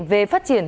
về phát triển